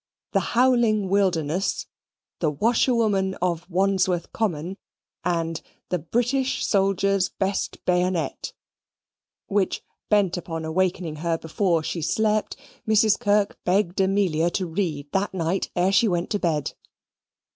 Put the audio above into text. the "Howling Wilderness," the "Washerwoman of Wandsworth Common," and the "British Soldier's best Bayonet," which, bent upon awakening her before she slept, Mrs. Kirk begged Amelia to read that night ere she went to bed.